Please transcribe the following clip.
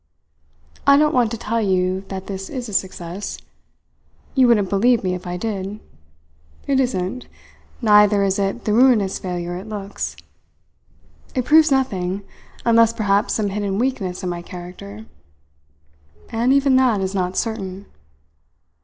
I don't want to tell you that this is a success. You wouldn't believe me if I did. It isn't; neither is it the ruinous failure it looks. It proves nothing, unless perhaps some hidden weakness in my character and even that is not certain."